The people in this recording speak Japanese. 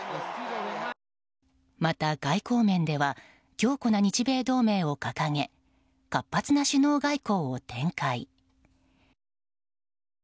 また外交面では強固な日米同盟を掲げ活発な首脳外交を展開。